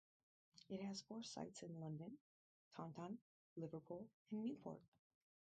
It has four sites in London, Taunton, Liverpool and Newport.